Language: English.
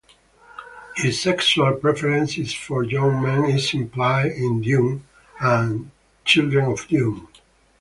His sexual preference for young men is implied in "Dune" and "Children of Dune".